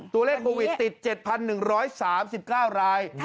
ตัวเลขโควิดติด๗๑๓๙ราย